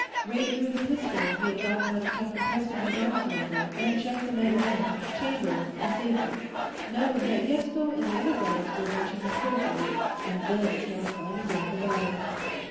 Ray drew the pistol he had gotten out of Captain Prestonby's arms locker and checked the magazine, chamber, and safety, knowing that Yetsko and the other guards were watching him critically, and then started climbing down the ladder.